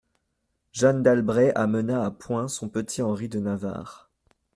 Jeanne d'Albret amena à point son petit Henri de Navarre.